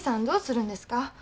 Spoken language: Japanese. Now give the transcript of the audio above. どうするんですか？